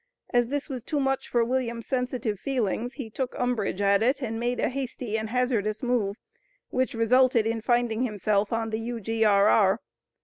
As this was too much for William's sensitive feelings, he took umbrage at it and made a hasty and hazardous move, which resulted in finding himself on the U.G.R.R.